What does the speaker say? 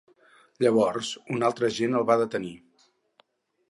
Llavors un altre agent el va detenir.